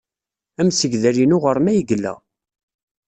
Amsegdal-inu ɣer-m ay yella.